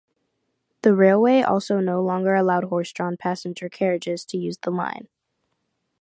The railway also no longer allowed horse-drawn passenger carriages to use the line.